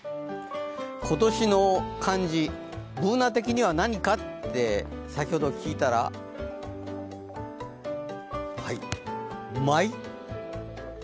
今年の漢字、Ｂｏｏｎａ的には何かって先ほど聞いたら「舞」。